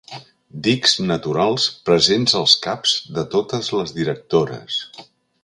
Dics naturals presents als caps de totes les directores.